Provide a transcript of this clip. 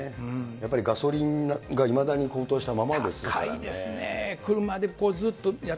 やっぱりガソリンがいまだに高騰したままですからね。